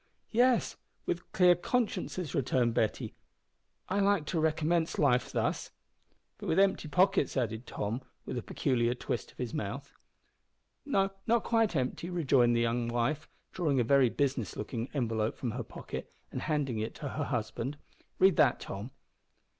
"Yes, and with clear consciences," returned Betty. "I like to re commence life thus." "But with empty pockets," added Tom, with a peculiar twist of his mouth. "No, not quite empty," rejoined the young wife, drawing a very business looking envelope from her pocket and handing it to her husband. "Read that, Tom."